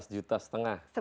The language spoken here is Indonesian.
sebelas juta setengah